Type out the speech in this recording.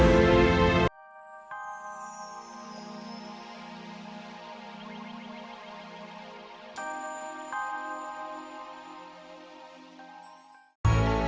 terus terang mama ngerti